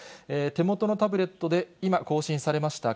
手元のタブレットで今、更新されました。